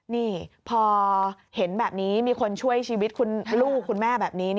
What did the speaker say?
นี่พอเห็นแบบนี้มีคนช่วยชีวิตคุณลูกคุณแม่แบบนี้